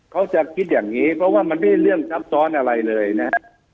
เขาจะคิดอย่างนี้เพราะมันไม่ได้เรื่องท๊ัมทนอะไรเลยนะ